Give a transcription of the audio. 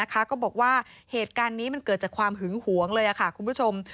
ก็บอกว่าเหตุการณ์นี้มันเกิดจากความหึงหวงเลยคุณผู้ชม